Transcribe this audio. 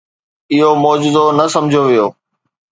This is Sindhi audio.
اهو معجزو نه سمجهيو ويو.